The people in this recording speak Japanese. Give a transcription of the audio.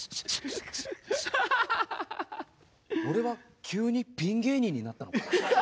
俺は急にピン芸人になったのか？